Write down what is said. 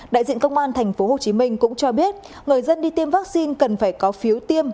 đại diện công an tp hcm cũng cho biết người dân đi tiêm vaccine cần phải có phiếu tiêm